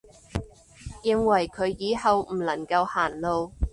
認為佢以後唔能夠行路